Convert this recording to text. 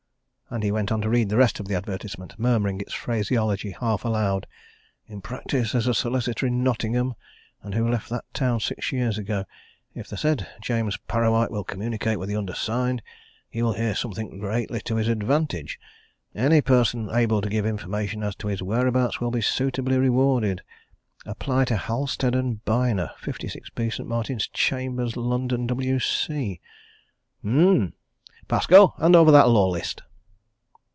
And he went on to read the rest of the advertisement, murmuring its phraseology half aloud: "'in practice as a solicitor at Nottingham and who left that town six years ago. If the said James Parrawhite will communicate with the undersigned he will hear something greatly to his advantage. Any person able to give information as to his whereabouts will be suitably rewarded. Apply to Halstead & Byner, 56B, St. Martin's Chambers, London, W.C.' Um! Pascoe, hand over that Law List."